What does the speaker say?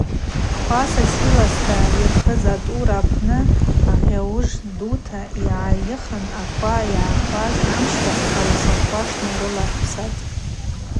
Паса силоста йырхыз атӏура апны агъауыж дута йгӏайыхын, аква йгӏакваз амщтахь ауасаква тшналарпсатӏ.